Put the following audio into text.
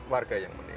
warga yang menilai